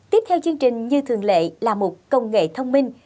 tiếp theo chương trình như thường lệ là mục công nghệ thông minh